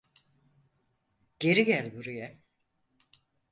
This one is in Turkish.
Geri gel buraya!